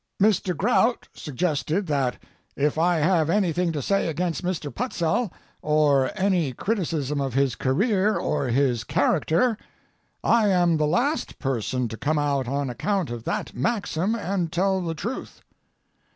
Mr. Grout suggested that if I have anything to say against Mr. Putzel, or any criticism of his career or his character, I am the last person to come out on account of that maxim and tell the truth.